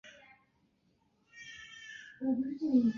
转向架并安装有轮缘润滑装置和踏面清扫装置。